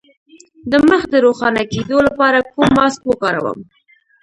د مخ د روښانه کیدو لپاره کوم ماسک وکاروم؟